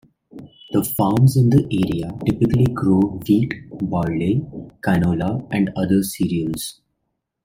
The farms in the area typically grow wheat, barley, canola, and other cereals.